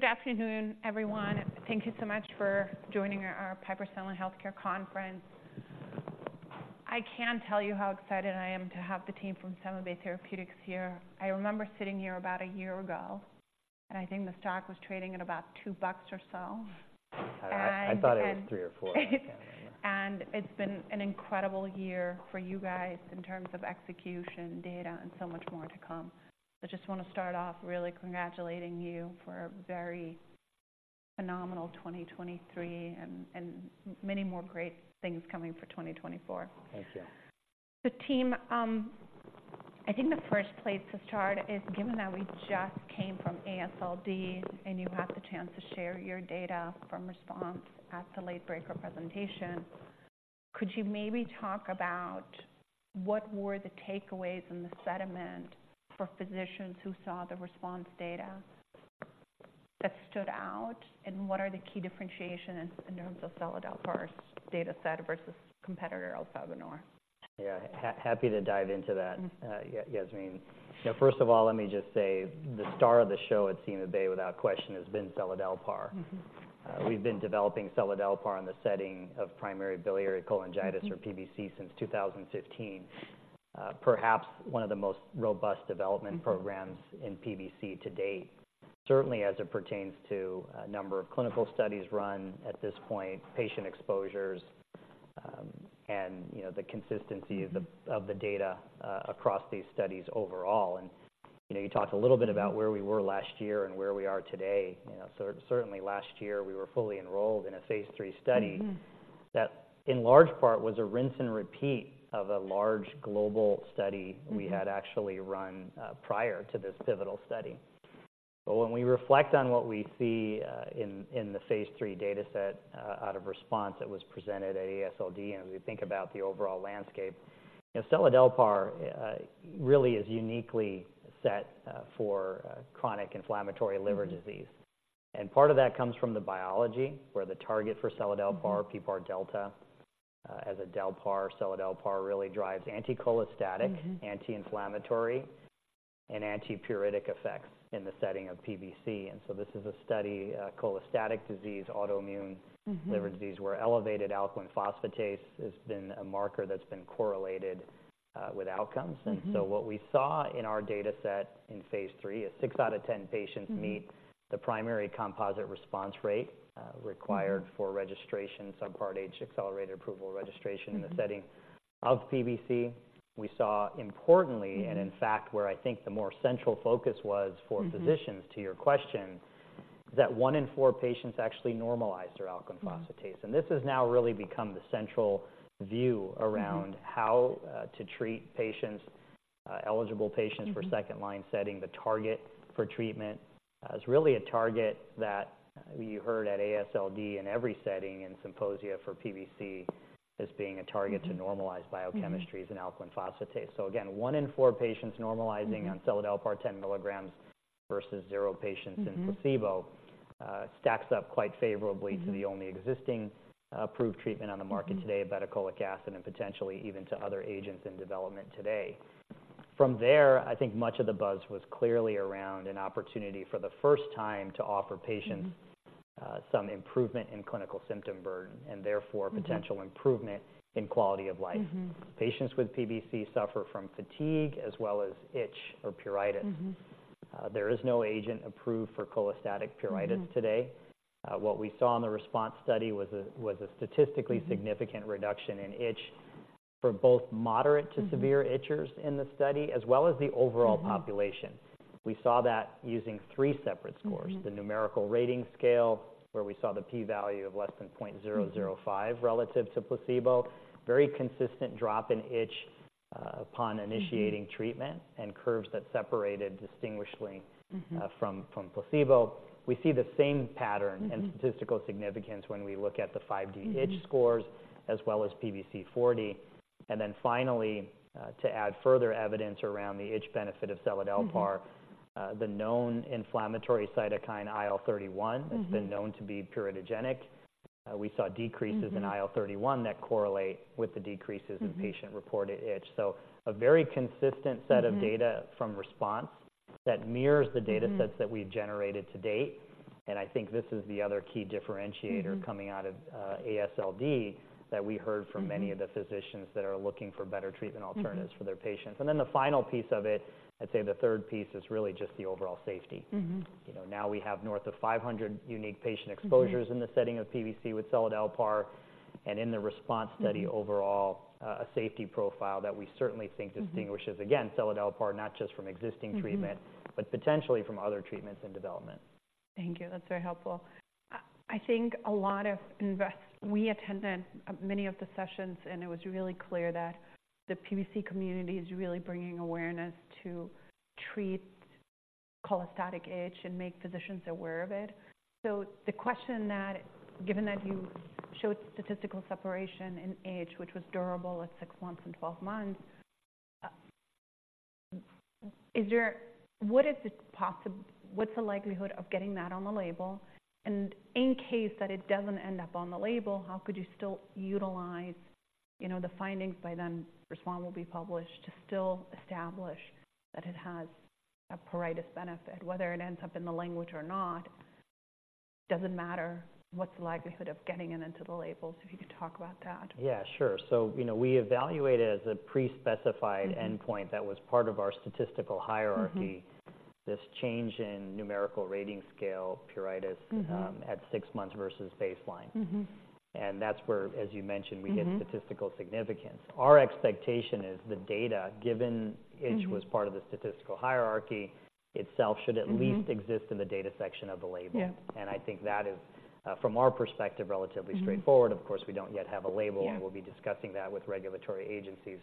Good afternoon, everyone. Thank you so much for joining our Piper Sandler Healthcare Conference. I can't tell you how excited I am to have the team from CymaBay Therapeutics here. I remember sitting here about a year ago, and I think the stock was trading at about $2 or so, and I thought it was three or four. It's been an incredible year for you guys in terms of execution, data, and so much more to come. I just want to start off really congratulating you for a very phenomenal 2023 and many more great things coming for 2024. Thank you. So team, I think the first place to start is, given that we just came from AASLD, and you had the chance to share your data from RESPONSE at the late-breaker presentation, could you maybe talk about what were the takeaways and the sentiment for physicians who saw the RESPONSE data that stood out, and what are the key differentiations in terms of seladelpar's data set versus competitor elafibranor? Yeah, happy to dive into that, Yasmeen. You know, first of all, let me just say, the star of the show at CymaBay, without question, has been seladelpar. Mm-hmm. We've been developing seladelpar in the setting of primary biliary cholangitis. Mm-hmm.... or PBC, since 2015. Perhaps one of the most robust development programs- Mm-hmm.... in PBC to date. Certainly, as it pertains to a number of clinical studies run at this point, patient exposures, and, you know, the consistency of the data across these studies overall. And, you know, you talked a little bit about where we were last year and where we are today. You know, certainly last year we were fully enrolled in a phase III study- Mm-hmm... that in large part was a rinse and repeat of a large global study- Mm-hmm... we had actually run prior to this pivotal study. But when we reflect on what we see in the phase III data set out of RESPONSE that was presented at AASLD, and as we think about the overall landscape, you know, seladelpar really is uniquely set for chronic inflammatory liver disease. Mm-hmm. Part of that comes from the biology, where the target for seladelpar- Mm-hmm... PPAR-Delta, as a delpar, seladelpar really drives anticholestatic- Mm-hmm... anti-inflammatory, and antipruritic effects in the setting of PBC. And so this is a study, cholestatic disease, autoimmune- Mm-hmm... liver disease, where elevated alkaline phosphatase has been a marker that's been correlated with outcomes. Mm-hmm. And so what we saw in our data set in phase III is six out of 10 patients- Mm-hmm... meet the primary composite response rate, Mm-hmm... required for registration, Subpart H, accelerated approval registration- Mm-hmm... in the setting of PBC. We saw importantly- Mm-hmm... and in fact, where I think the more central focus was for physicians- Mm-hmm... to your question, is that one in four patients actually normalized their alkaline phosphatase. Mm-hmm. This has now really become the central view around- Mm-hmm... how to treat patients, eligible patients- Mm-hmm... for second-line setting. The target for treatment is really a target that we heard at AASLD in every setting in symposia for PBC as being a target- Mm-hmm... to normalize biochemistry. Mm-hmm... and alkaline phosphatase. So again, one in four patients normalizing- Mm-hmm... on seladelpar 10 mg versus 0 patients in placebo- Mm-hmm... stacks up quite favorably- Mm-hmm... to the only existing, approved treatment on the market today- Mm-hmm... ursodeoxycholic acid, and potentially even to other agents in development today. From there, I think much of the buzz was clearly around an opportunity for the first time to offer patients- Mm-hmm... some improvement in clinical symptom burden and therefore- Mm-hmm... potential improvement in quality of life. Mm-hmm. Patients with PBC suffer from fatigue as well as itch or pruritus. Mm-hmm. There is no agent approved for cholestatic pruritus today. Mm-hmm. What we saw in the RESPONSE study was a statistically- Mm-hmm... significant reduction in itch for both moderate to severe- Mm-hmm... itchers in the study, as well as the overall population. Mm-hmm. We saw that using three separate scores. Mm-hmm. The numerical rating scale, where we saw the p-value of less than 0.005- Mm-hmm... relative to placebo. Very consistent drop in itch, upon initiating- Mm-hmm... treatment, and curves that separated distinctly- Mm-hmm... from placebo. We see the same pattern- Mm-hmm... and statistical significance when we look at the 5-D Itch scores- Mm-hmm... as well as PBC-40. And then finally, to add further evidence around the itch benefit of seladelpar- Mm-hmm... the known inflammatory cytokine, IL-31- Mm-hmm... that's been known to be pruritigenic. We saw decreases- Mm-hmm... in IL-31 that correlate with the decreases- Mm-hmm... in patient-reported itch. So a very consistent set- Mm-hmm... of data from RESPONSE that mirrors the data- Mm-hmm... sets that we've generated to date, and I think this is the other key differentiator- Mm-hmm... coming out of AASLD, that we heard from- Mm-hmm... many of the physicians that are looking for better treatment alternatives- Mm-hmm... for their patients. And then the final piece of it, I'd say the third piece, is really just the overall safety. Mm-hmm. You know, now we have north of 500 unique patient exposures- Mm-hmm... in the setting of PBC with seladelpar, and in the RESPONSE study- Mm-hmm... overall, a safety profile that we certainly think distinguishes- Mm-hmm... again, seladelpar, not just from existing treatment- Mm-hmm... but potentially from other treatments in development. Thank you. That's very helpful. I think we attended many of the sessions, and it was really clear that the PBC community is really bringing awareness to treat cholestatic itch and make physicians aware of it. So the question, given that you showed statistical separation in itch, which was durable at 6 months and 12 months, what's the likelihood of getting that on the label? And in case that it doesn't end up on the label, how could you still utilize, you know, the findings by then RESPONSE will be published to still establish that it has a pruritus benefit. Whether it ends up in the language or not, doesn't matter. What's the likelihood of getting it into the labels? If you could talk about that. Yeah, sure. So, you know, we evaluated as a pre-specified- Mm-hmm. -endpoint that was part of our statistical hierarchy. Mm-hmm. This change in Numerical Rating Scale pruritus- Mm-hmm. at 6 months versus baseline. Mm-hmm. That's where, as you mentioned- Mm-hmm. we get statistical significance. Our expectation is the data, given- Mm-hmm. itch was part of the statistical hierarchy itself. Mm-hmm. should at least exist in the data section of the label. Yeah. I think that is, from our perspective, relatively straightforward. Mm-hmm. Of course, we don't yet have a label- Yeah and we'll be discussing that with regulatory agencies.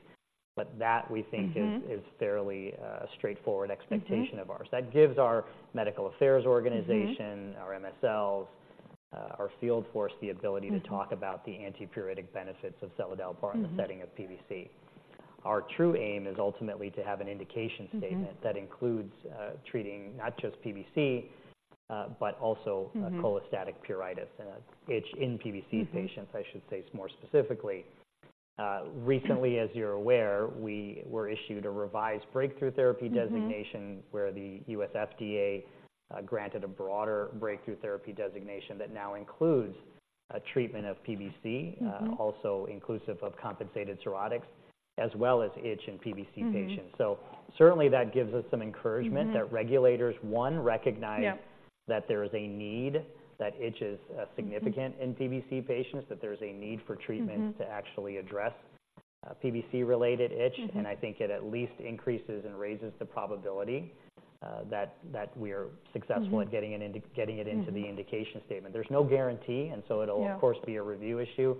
But that, we think- Mm-hmm... is fairly straightforward expectation of ours. Mm-hmm. That gives our medical affairs organization- Mm-hmm -our MSLs, our field force, the ability- Mm-hmm to talk about the antipruritic benefits of seladelpar Mm-hmm in the setting of PBC. Our true aim is ultimately to have an indication statement- Mm-hmm... that includes, treating not just PBC, but also- Mm-hmm cholestatic pruritus and itch in PBC patients Mm-hmm I should say more specifically. Recently, as you're aware, we were issued a revised Breakthrough Therapy Designation- Mm-hmm -where the U.S. FDA granted a broader Breakthrough Therapy Designation that now includes a treatment of PBC- Mm-hmm... also inclusive of compensated cirrhotics, as well as itch in PBC patients. Mm-hmm. So certainly that gives us some encouragement- Mm-hmm that regulators, one, recognize Yeah -that there is a need, that itch is, significant- Mm-hmm in PBC patients, that there's a need for treatment. Mm-hmm -to actually address, PBC-related itch. Mm-hmm. And I think it at least increases and raises the probability that that we are successful- Mm-hmm -at getting it into, getting it into the indication statement. There's no guarantee, and so it'll- Yeah Of course, be a review issue.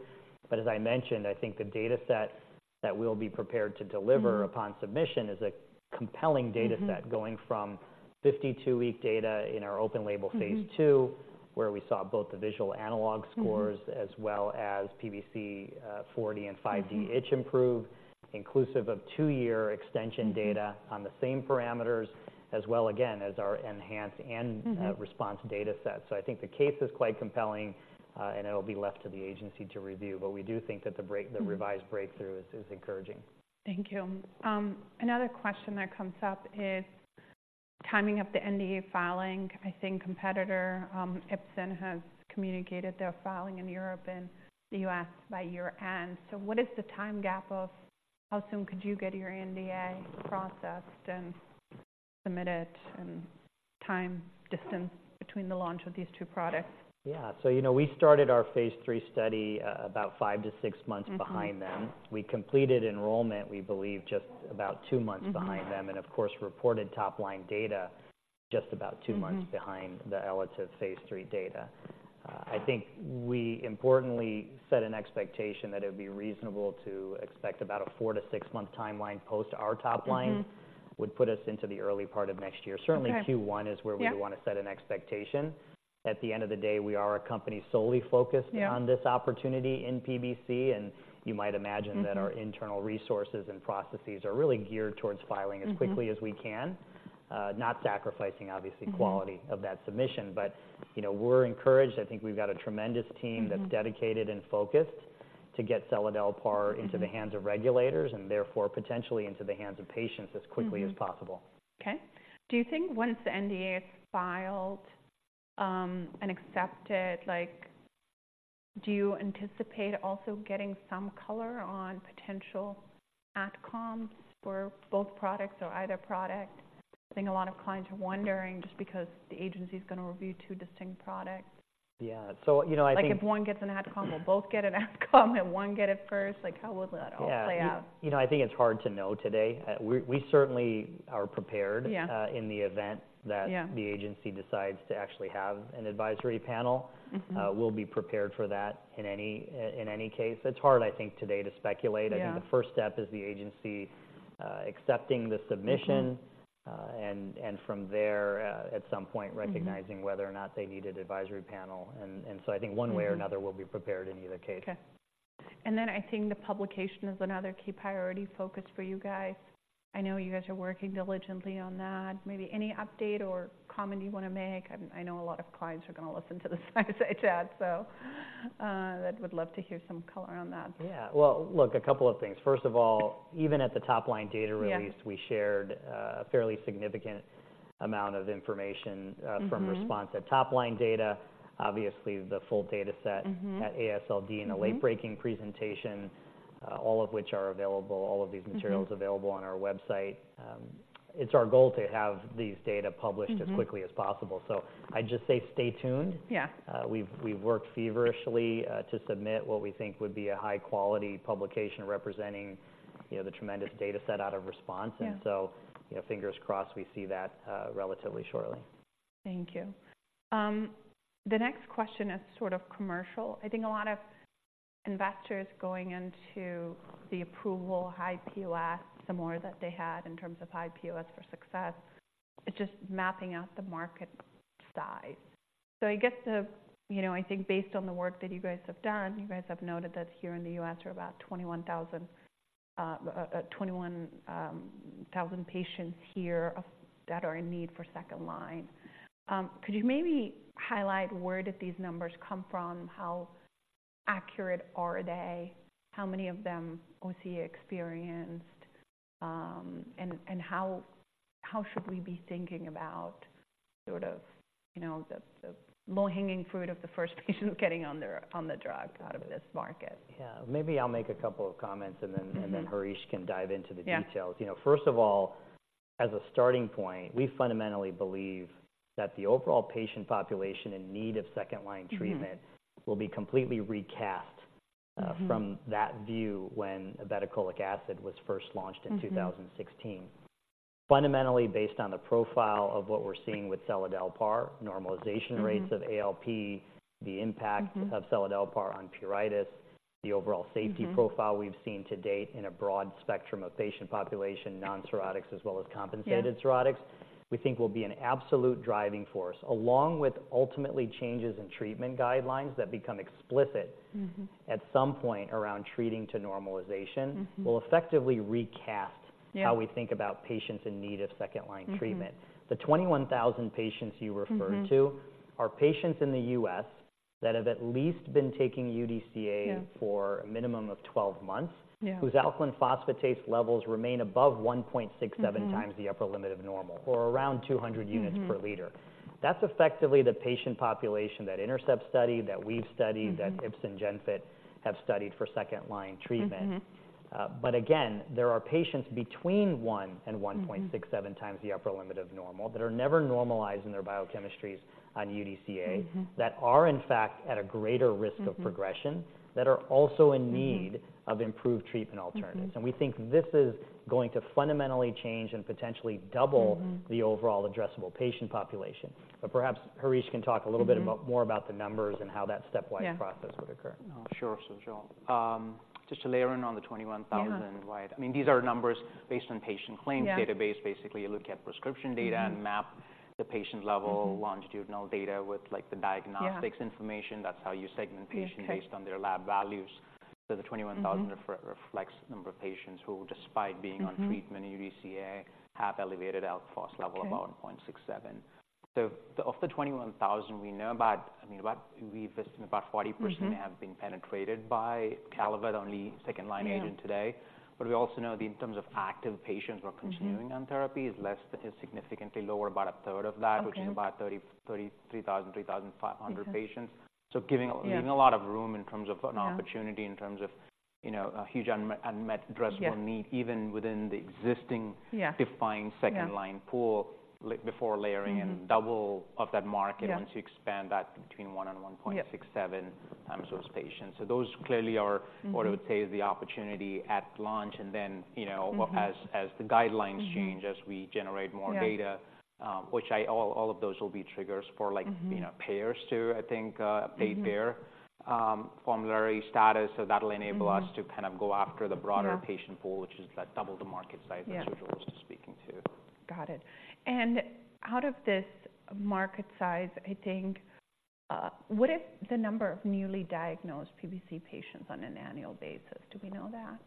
But as I mentioned, I think the dataset that we'll be prepared to deliver- Mm-hmm Upon submission is a compelling dataset. Mm-hmm -going from 52-week data in our open label- Mm-hmm phase II, where we saw both the visual analog scores Mm-hmm -as well as PBC-40 and 5-D Itch- Mm-hmm -itch improve, inclusive of two-year extension data- Mm-hmm on the same parameters, as well, again, as our enhanced and Mm-hmm RESPONSE dataset. So I think the case is quite compelling, and it'll be left to the agency to review. But we do think that the break- Mm-hmm The revised breakthrough is encouraging. Thank you. Another question that comes up is timing of the NDA filing. I think competitor, Ipsen has communicated their filing in Europe and the U.S. by year-end. So what is the time gap of how soon could you get your NDA processed and submitted, and time distance between the launch of these two products? Yeah. So, you know, we started our phase III study about five to six months behind them. Mm-hmm. We completed enrollment, we believe, just about two months behind them. Mm-hmm. Of course, reported top-line data just about 2 months- Mm-hmm -behind the ELATIVE Phase III data. I think we importantly set an expectation that it would be reasonable to expect about a four to six month timeline post our top line- Mm-hmm would put us into the early part of next year. Okay. Certainly, Q1 is where- Yeah We would want to set an expectation. At the end of the day, we are a company solely focused- Yeah on this opportunity in PBC, and you might imagine. Mm-hmm that our internal resources and processes are really geared towards filing Mm-hmm as quickly as we can. Not sacrificing, obviously. Mm-hmm -quality of that submission, but, you know, we're encouraged. I think we've got a tremendous team- Mm-hmm -that's dedicated and focused to get seladelpar- Mm-hmm into the hands of regulators and therefore, potentially into the hands of patients as quickly- Mm-hmm -as possible. Okay. Do you think once the NDA is filed, and accepted, like, do you anticipate also getting some color on potential outcomes for both products or either product? I think a lot of clients are wondering, just because the agency's gonna review two distinct products. Yeah. So, you know, I think- Like, if one gets an adCom, will both get an adCom, and one get it first? Like, how would that all play out? Yeah. You know, I think it's hard to know today. We certainly are prepared- Yeah in the event that Yeah The agency decides to actually have an advisory panel. Mm-hmm. We'll be prepared for that in any case. It's hard, I think, today to speculate. Yeah. I think the first step is the agency, accepting the submission- Mm-hmm and from there, at some point- Mm-hmm recognizing whether or not they need an advisory panel. And so I think one way- Mm-hmm or another, we'll be prepared in either case. Okay. And then I think the publication is another key priority focus for you guys. I know you guys are working diligently on that. Maybe any update or comment you want to make? I know a lot of clients are going to listen to this fireside chat, so I would love to hear some color on that. Yeah. Well, look, a couple of things. First of all, even at the top-line data release- Yeah We shared a fairly significant amount of information. Mm-hmm... from response to top-line data. Obviously, the full dataset- Mm-hmm -at ASLD- Mm-hmm -in a late-breaking presentation, all of which are available, all of these materials- Mm-hmm available on our website. It's our goal to have these data published. Mm-hmm as quickly as possible. So I'd just say stay tuned. Yeah. We've worked feverishly to submit what we think would be a high-quality publication representing, you know, the tremendous dataset out of RESPONSE. Yeah. And so, you know, fingers crossed we see that relatively shortly. Thank you. The next question is sort of commercial. I think a lot of investors going into the approval, high POS, the more that they had in terms of high POS for success, is just mapping out the market size. So I guess... You know, I think based on the work that you guys have done, you guys have noted that here in the U.S. are about 21,000 patients here of that are in need for second line. Could you maybe highlight where did these numbers come from? How accurate are they? How many of them OC experienced? And how should we be thinking about sort of, you know, the low-hanging fruit of the first patient getting on the drug out of this market? Yeah. Maybe I'll make a couple of comments, and then- Mm-hmm. And then Harish can dive into the details. Yeah. You know, first of all, as a starting point, we fundamentally believe that the overall patient population in need of second-line treatment. Mm-hmm will be completely recast. Mm-hmm -from that view when obeticholic acid was first launched in 2016. Mm-hmm. Fundamentally, based on the profile of what we're seeing with seladelpar, normalization- Mm-hmm -rates of ALP, the impact- Mm-hmm of seladelpar on pruritus, the overall safety Mm-hmm profile we've seen to date in a broad spectrum of patient population, non-cirrhotics, as well as compensated cirrhotics Yeah We think will be an absolute driving force, along with ultimately changes in treatment guidelines that become explicit. Mm-hmm at some point around treating to normalization Mm-hmm will effectively recast. Yeah How we think about patients in need of second line treatment. Mm-hmm. The 21,000 patients you referred to- Mm-hmm are patients in the U.S. that have at least been taking UDCA- Yeah for a minimum of 12 months Yeah whose alkaline phosphatase levels remain above 1.67x Mm-hmm The upper limit of normal, or around 200 units per liter. Mm-hmm. That's effectively the patient population, that Intercept study, that we've studied- Mm-hmm that Ipsen GENFIT have studied for second-line treatment. Mm-hmm. But again, there are patients between 1 and 1 point- Mm-hmm 6x to 7x the upper limit of normal, that are never normalized in their biochemistries on UDCA Mm-hmm that are, in fact, at a greater risk of progression Mm-hmm that are also in need Mm-hmm of improved treatment alternatives. Mm-hmm. We think this is going to fundamentally change and potentially double- Mm-hmm The overall addressable patient population. But perhaps Harish can talk a little bit about Mm-hmm more about the numbers and how that stepwise process Yeah -would occur. Oh, sure, Sujal. Just to layer in on the 21,000- Yeah I mean, these are numbers based on patient claims database. Yeah. Basically, you look at prescription data- Mm-hmm and map the patient level Mm-hmm longitudinal data with, like, the diagnostics information. Yeah. That's how you segment patients- Yeah, okay -based on their lab values. So the 21,000- Mm-hmm reflects the number of patients who, despite being on- Mm-hmm treatment, UDCA, have elevated alk phos level Okay -above 0.67. So of the 21,000, we know about, I mean, about 40%- Mm-hmm have been penetrated by Callebaut, only second line agent today. Yeah. But we also know, in terms of active patients who are continuing- Mm-hmm -on therapy is less, is significantly lower, about 1/3 of that- Okay -which is about 3,500 patients. Mm-hmm. So giving- Yeah leaving a lot of room in terms of an... Yeah opportunity, in terms of, you know, a huge unmet addressable need Yeah even within the existing Yeah defined second-line pool, like before layering in- Mm-hmm double of that market Yeah -once you expand that between 1 and 1 point- Yeah 6x to 7x those patients. So those clearly are- Mm-hmm What I would say is the opportunity at launch, and then, you know- Mm-hmm as the guidelines change Mm-hmm as we generate more data. Yeah All, all of those will be triggers for like- Mm-hmm -you know, payers to, I think, paid payer, formulary status. So that'll enable us- Mm-hmm to kind of go after the broader Yeah patient pool, which is that double the market size. Yeah -that Sujal was just speaking to. Got it. And out of this market size, I think, what if the number of newly diagnosed PBC patients on an annual basis? Do we know that?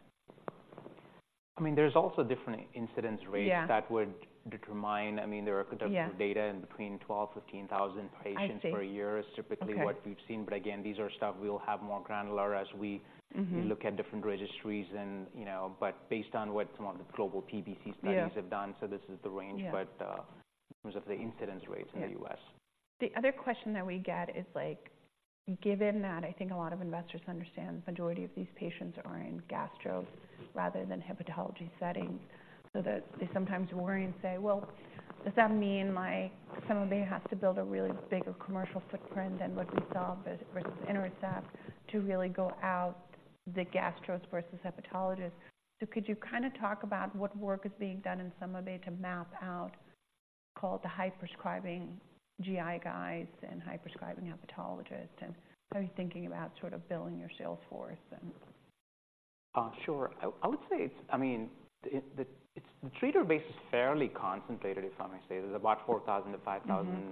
I mean, there's also different incidence rates- Yeah that would determine. I mean, there are- Yeah data in between 12,000-15,000 patients I see per year is typically what Okay we've seen. But again, these are stuff we'll have more granular as we- Mm-hmm look at different registries and, you know, but based on what some of the global PBC studies Yeah have done, so this is the range Yeah But, in terms of the incidence rates in the U.S. Yeah. The other question that we get is, like, given that I think a lot of investors understand the majority of these patients are in gastros rather than hepatology settings, so that they sometimes worry and say: Well, does that mean my—somebody has to build a really bigger commercial footprint than what we saw versus Intercept, to really go out the gastros versus hepatologists? So could you kind of talk about what work is being done in some way to map out, call it, the high prescribing GI guys and high prescribing hepatologists, and how are you thinking about sort of building your sales force and... Sure. I would say it's... I mean, the treater base is fairly concentrated, if I may say. There's about 4,000-5,000- Mm-hmm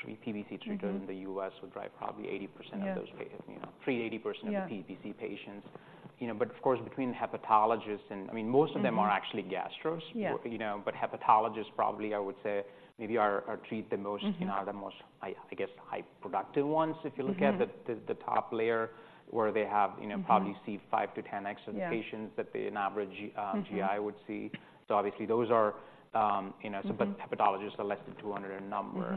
-PBC treaters- Mm-hmm -in the U.S., who drive probably 80% of those- Yeah -patients, you know, treat 80% of- Yeah -PBC patients. You know, but of course, between hepatologists and... I mean, most of them- Mm-hmm are actually gastros. Yeah. You know, but hepatologists probably, I would say, maybe are treat the most- Mm-hmm -you know, are the most, I, I guess, high productive ones. If you look at the- Mm-hmm the top layer, where they have, you know- Mm-hmm probably see 5-10x of the patients Yeah -that the, an average, GI- Mm-hmm -would see. So obviously, those are, you know- Mm-hmm But hepatologists are less than 200 in number.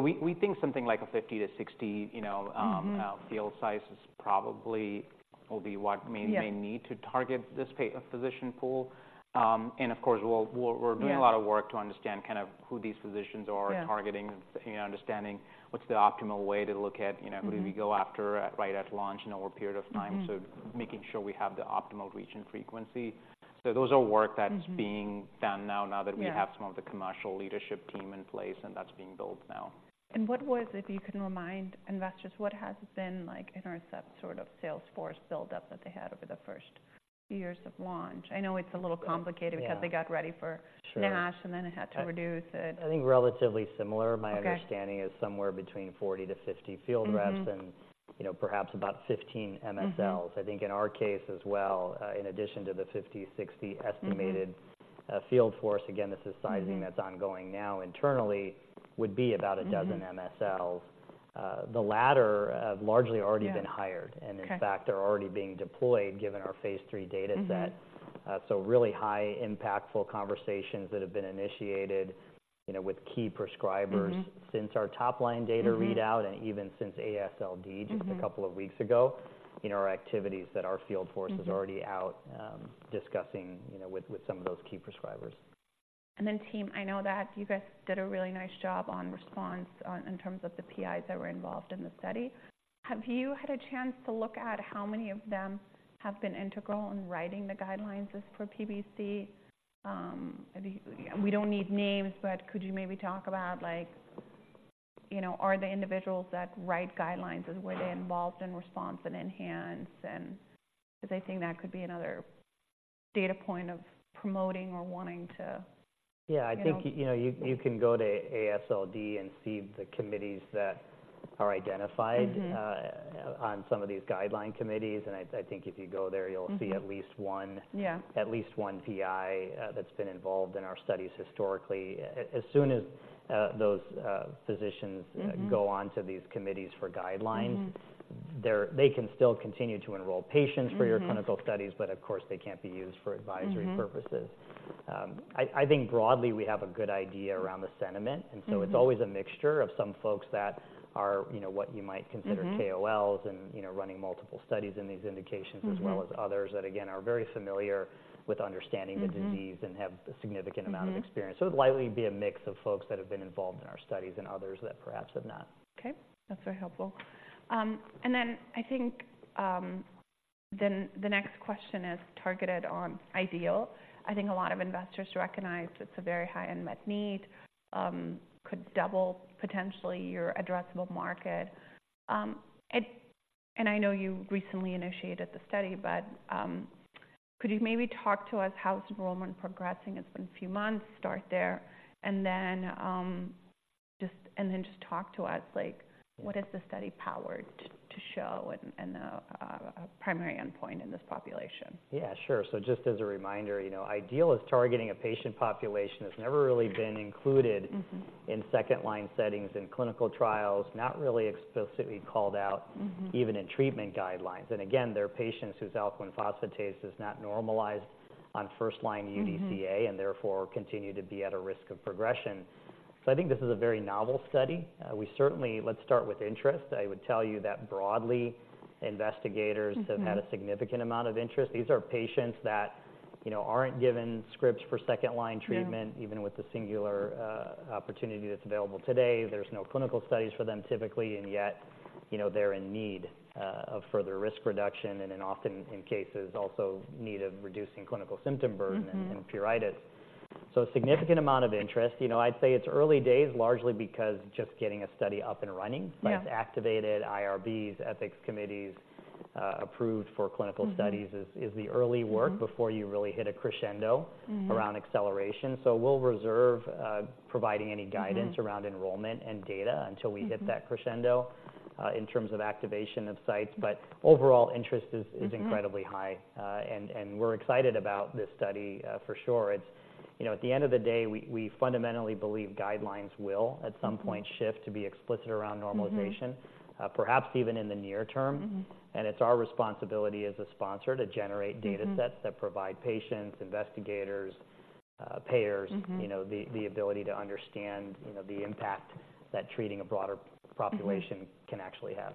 Mm-hmm. We think something like a 50-60, you know, Mm-hmm Field size is probably will be what we- Yeah may need to target this physician pool. And of course, we're, we're, we're- Yeah doing a lot of work to understand kind of who these physicians are. Yeah -targeting and, you know, understanding what's the optimal way to look at, you know- Mm-hmm who do we go after at right at launch and over a period of time? Mm-hmm so making sure we have the optimal reach and frequency. So those are work that- Mm-hmm is being done now, now that we Yeah have some of the commercial leadership team in place, and that's being built now. If you can remind investors, what has been, like, Intercept sort of sales force buildup that they had over the first years of launch? I know it's a little complicated- Yeah because they got ready for- Sure NASH, and then they had to reduce it. I think relatively similar. Okay. My understanding is somewhere between 40-50 field reps- Mm-hmm you know, perhaps about 15 MSLs. Mm-hmm. I think in our case as well, in addition to the 50-60 estimated-... a field force, again, this is sizing that's ongoing now internally, would be about 12 MSLs. The latter have largely already been hired- Okay. - and in fact, are already being deployed given our phase III data set. Mm-hmm. So really high impactful conversations that have been initiated, you know, with key prescribers- Mm-hmm. since our top line data Mm-hmm. readout, and even since AASLD Mm-hmm just a couple of weeks ago, in our activities that our field force Mm-hmm - is already out, discussing, you know, with some of those key prescribers. Then, team, I know that you guys did a really nice job on RESPONSE, in terms of the PIs that were involved in the study. Have you had a chance to look at how many of them have been integral in writing the guidelines for PBC? I think we don't need names, but could you maybe talk about, like, you know, are the individuals that write guidelines, and were they involved in RESPONSE and ENHANCE? Because I think that could be another data point of promoting or wanting to, you know- Yeah, I think, you know, you can go to AASLD and see the committees that are identified- Mm-hmm on some of these guideline committees. And I think if you go there, you'll- Mm-hmm see at least one Yeah. At least one PI that's been involved in our studies historically. As soon as those physicians- Mm-hmm go on to these committees for guidelines. Mm-hmm they can still continue to enroll patients Mm-hmm - for your clinical studies, but of course, they can't be used for advisory purposes. Mm-hmm. I think broadly, we have a good idea around the sentiment. Mm-hmm. And so it's always a mixture of some folks that are, you know, what you might- Mm-hmm - consider KOLs and, you know, running multiple studies in these indications- Mm-hmm as well as others that, again, are very familiar with understanding the disease Mm-hmm and have a significant amount of experience. Mm-hmm. So it'll likely be a mix of folks that have been involved in our studies and others that perhaps have not. Okay, that's very helpful. And then I think, then the next question is targeted on IDEAL. I think a lot of investors recognize it's a very high unmet need, could double potentially your addressable market. And I know you recently initiated the study, but could you maybe talk to us how's enrollment progressing? It's been a few months, start there, and then just, and then just talk to us like, what is the study powered to, to show and, and primary endpoint in this population? Yeah, sure. So just as a reminder, you know, IDEAL is targeting a patient population that's never really been included. Mm-hmm in second-line settings in clinical trials, not really explicitly called out. Mm-hmm even in treatment guidelines. And again, they're patients whose alkaline phosphatase is not normalized on first-line UDCA- Mm-hmm... and therefore, continue to be at a risk of progression. So I think this is a very novel study. We certainly... Let's start with interest. I would tell you that broadly, investigators- Mm-hmm have had a significant amount of interest. These are patients that, you know, aren't given scripts for second-line treatment- No - even with the singular opportunity that's available today. There's no clinical studies for them, typically, and yet, you know, they're in need of further risk reduction, and then often in cases also need of reducing clinical symptom burden- Mm-hmm - and pruritus. So a significant amount of interest. You know, I'd say it's early days, largely because just getting a study up and running- Yeah sites activated, IRBs, ethics committees, approved for clinical studies. Mm-hmm is the early work- Mm-hmm before you really hit a crescendo Mm-hmm - around acceleration. So we'll reserve, providing any guidance- Mm-hmm - around enrollment and data until we hit that crescendo, in terms of activation of sites. But overall interest is- Mm-hmm - is incredibly high. And we're excited about this study, for sure. It's, you know, at the end of the day, we fundamentally believe guidelines will- Mm-hmm at some point shift to be explicit around normalization. Mm-hmm - perhaps even in the near term. Mm-hmm. It's our responsibility as a sponsor to generate- Mm-hmm - datasets that provide patients, investigators, payers- Mm-hmm you know, the ability to understand, you know, the impact that treating a broader population- Mm-hmm can actually have.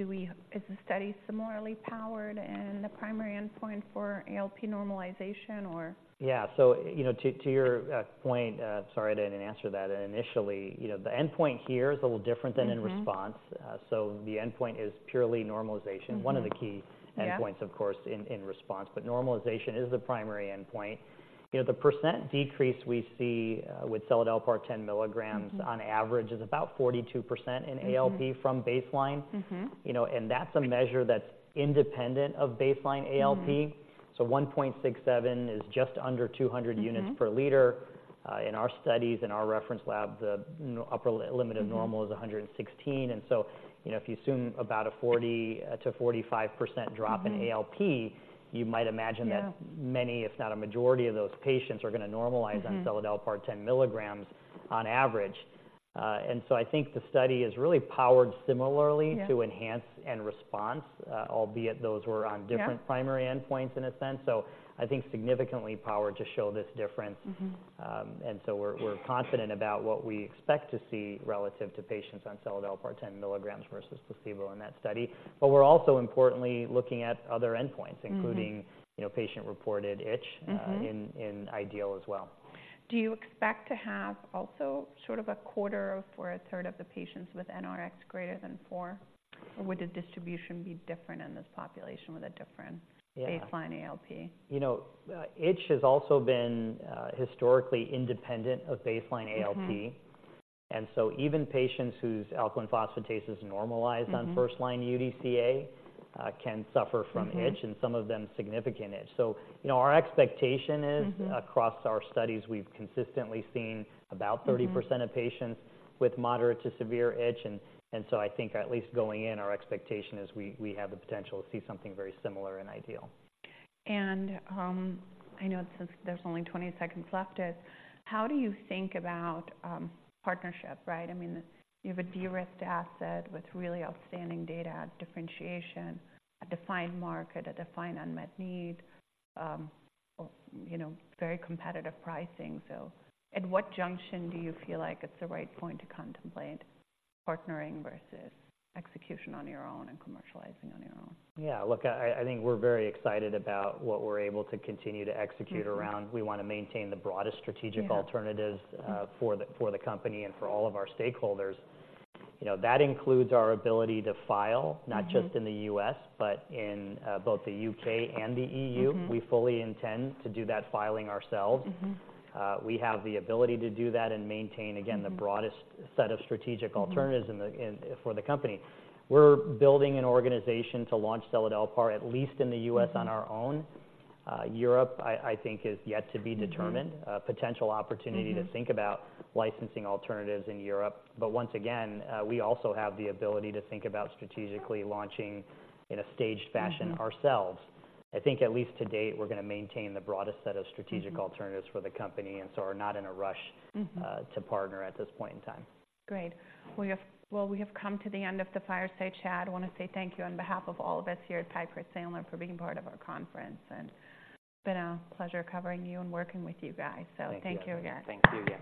Is the study similarly powered, and the primary endpoint for ALP normalization or? Yeah. So, you know, to your point, sorry, I didn't answer that initially. You know, the endpoint here is a little different than in response. Mm-hmm. So the endpoint is purely normalization. Mm-hmm. One of the key- Yeah - endpoints, of course, in response, but normalization is the primary endpoint. You know, the percent decrease we see with seladelpar 10 mg- Mm-hmm - on average, is about 42% in ALP- Mm-hmm - from baseline. Mm-hmm. You know, and that's a measure that's independent of baseline ALP. Mm-hmm. So 1.67 is just under 200 units. Mm-hmm - per liter. In our studies, in our reference lab, the upper limit of normal- Mm-hmm - is 116. So, you know, if you assume about a 40%-45% drop in ALP- Mm-hmm You might imagine that Yeah many, if not, a majority of those patients are gonna normalize- Mm-hmm - on seladelpar 10 mg on average. And so I think the study is really powered similarly- Yeah - to ENHANCE and RESPONSE, albeit those were on- Yeah different primary endpoints in a sense. So I think significantly powered to show this difference. Mm-hmm. And so we're confident about what we expect to see relative to patients on seladelpar 10 mg versus placebo in that study. But we're also importantly looking at other endpoints- Mm-hmm including, you know, patient-reported itch- Mm-hmm in IDEAL as well. Do you expect to have also sort of 1/4 or 1/3 of the patients with NRS greater than four? Or would the distribution be different in this population with a different- Yeah - baseline ALP? You know, itch has also been historically independent of baseline ALP. Mm-hmm. Even patients whose alkaline phosphatase is normalized- Mm-hmm - on first-line UDCA, can suffer from itch- Mm-hmm Some of them, significant itch. So you know, our expectation is- Mm-hmm - across our studies, we've consistently seen about- Mm-hmm 30% of patients with moderate to severe itch. And so I think at least going in, our expectation is we have the potential to see something very similar in IDEAL. I know since there's only 20 seconds left, is how do you think about partnership, right? I mean, you have a de-risked asset with really outstanding data, differentiation, a defined market, a defined unmet need, or, you know, very competitive pricing. So at what junction do you feel like it's the right point to contemplate partnering versus execution on your own and commercializing on your own? Yeah, look, I think we're very excited about what we're able to continue to execute around- Mm-hmm. we want to maintain the broadest strategic alternatives- Yeah for the company and for all of our stakeholders. You know, that includes our ability to file- Mm-hmm - not just in the U.S., but in both the U.K. and the E.U. Mm-hmm. We fully intend to do that filing ourselves. Mm-hmm. We have the ability to do that and maintain, again- Mm-hmm the broadest set of strategic alternatives Mm-hmm for the company. We're building an organization to launch seladelpar, at least in the U.S., on our own. Mm-hmm. Europe, I think is yet to be determined. Mm-hmm. Potential opportunity- Mm-hmm - to think about licensing alternatives in Europe. But once again, we also have the ability to think about strategically launching in a staged fashion- Mm-hmm ourselves. I think at least to date, we're gonna maintain the broadest set of strategic alternatives- Mm-hmm for the company, and so are not in a rush- Mm-hmm to partner at this point in time. Great. We have... Well, we have come to the end of the fireside chat. I want to say thank you on behalf of all of us here at Piper Sandler, for being part of our conference, and it's been a pleasure covering you and working with you guys. So thank you again. Thank you.